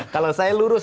kalau saya lurus